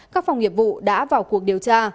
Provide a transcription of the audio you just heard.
các phòng nghiệp vụ đã vào cuộc điều tra